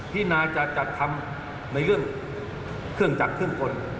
พี่นาจะจัดทำในเรื่องเครื่องจักรเครื่องกล